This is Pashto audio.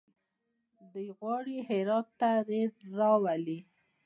دوی غواړي هرات ته ریل راولي.